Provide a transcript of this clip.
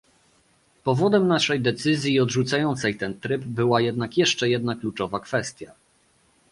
Powodem naszej decyzji odrzucającej ten tryb była jednak jeszcze jedna kluczowa kwestia